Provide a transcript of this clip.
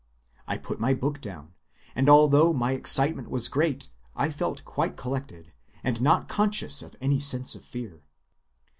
I put my book down, and although my excitement was great, I felt quite collected, and not conscious of any sense of fear.